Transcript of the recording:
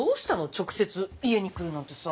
直接家に来るなんてさ。